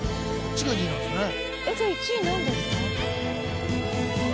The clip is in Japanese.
じゃあ１位なんですか？